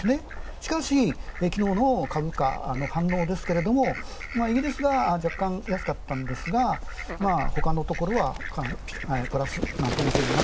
しかし、昨日の株価の反応ですが、イギリスが若干安かったんですが、ほかのところはプラスなんていうことも。